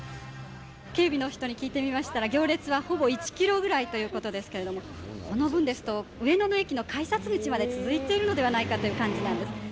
警備の人に聞いてみましたら、行列はほぼ１キロぐらいということですけれども、この分ですと、上野の駅の改札口まで続いているのではないかという感じなんです。